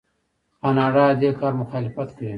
کاناډا د دې کار مخالفت کوي.